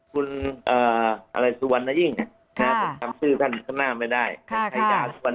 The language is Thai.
คุณเอ่ออะไรสุวรรณยิ่งนะฮะจำชื่อท่านข้างหน้าไม่ได้ค่ะค่ะ